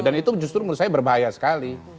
dan itu justru menurut saya berbahaya sekali